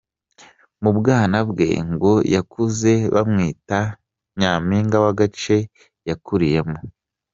Mu bwana bwe, ngo yakuze bamwita Nyampinga w’agace yakuriyemo.